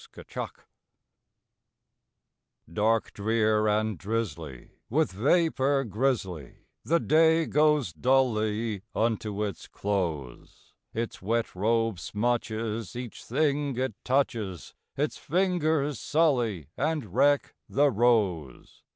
A WET DAY Dark, drear, and drizzly, with vapor grizzly, The day goes dully unto its close; Its wet robe smutches each thing it touches, Its fingers sully and wreck the rose.